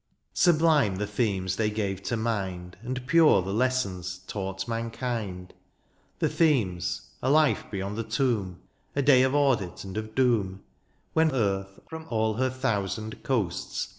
Sublime the themes they gave to mind. And pure the lessons taught mankind. The themes — ^a life beyond the tomb— A day of audit and of doom. When earth, from all her thousand coasts.